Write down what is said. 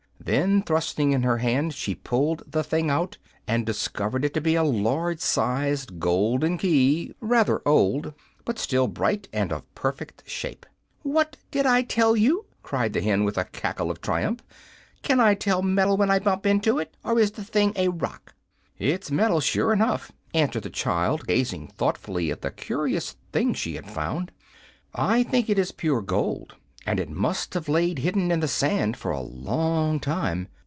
Then, thrusting in her hand, she pulled the thing out, and discovered it to be a large sized golden key rather old, but still bright and of perfect shape. "What did I tell you?" cried the hen, with a cackle of triumph. "Can I tell metal when I bump into it, or is the thing a rock?" "It's metal, sure enough," answered the child, gazing thoughtfully at the curious thing she had found. "I think it is pure gold, and it must have lain hidden in the sand for a long time.